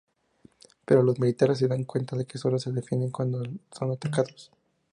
Pero los militares se dan cuenta de que sólo se defienden cuando son atacados.